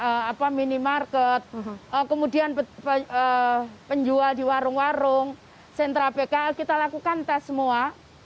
kemudian minimarket kemudian penjual di warung warung sentra pkl kita lakukan tes semua